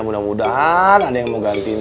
mudah mudahan ada yang mau ganti